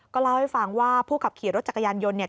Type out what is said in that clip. เล่าให้ฟังว่าผู้ขับขี่รถจักรยานยนต์เนี่ย